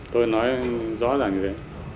tôi nói rõ ràng như thế